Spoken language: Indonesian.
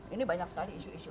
ini banyak sekali isu isu